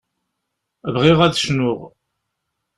Bɣiɣ ad cnuɣ.